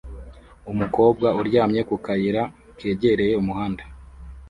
Umukobwa uryamye ku kayira kegereye umuhanda